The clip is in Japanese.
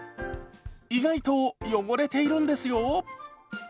意外と汚れているんですよ。